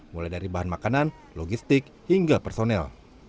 mulai dari bahan makanan logistik hingga personel